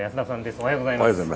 おはようございます。